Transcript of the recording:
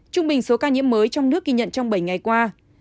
trung bình số ca nhiễm mới trong nước ghi nhận trong bảy ngày qua